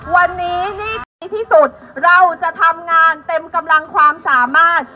วันนี้ที่ดีที่สุดเราจะทำงานเต็มกำลังความสามารถ